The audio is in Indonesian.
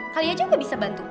kali aja gue bisa bantu